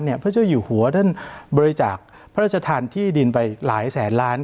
เพราะจะอยู่หัวด้านบริจักษ์พระราชทานที่ดีลลายแสนล้าน